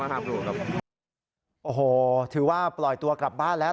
หล่อยตัวกลับบ้านแล้ว